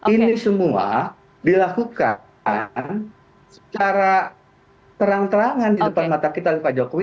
ini semua dilakukan secara terang terangan di depan mata kita oleh pak jokowi